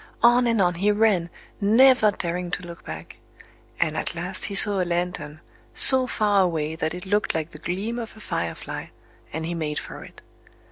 On and on he ran, never daring to look back; and at last he saw a lantern, so far away that it looked like the gleam of a firefly; and he made for it.